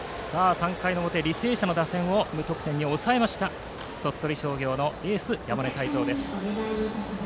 ３回表、履正社の打線を無得点に抑えた鳥取商業のエース、山根汰三です。